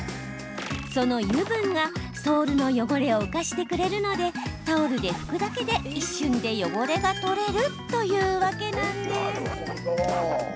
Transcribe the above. その油分がソールの汚れを浮かしてくれるのでタオルで拭くだけで一瞬で汚れが取れるというわけなんです。